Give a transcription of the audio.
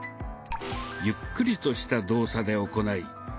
ゆっくりとした動作で行い